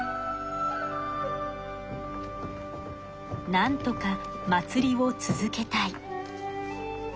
なんとか祭りを続けたい。